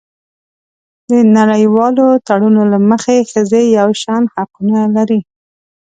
د نړیوالو تړونونو له مخې ښځې یو شان حقونه لري.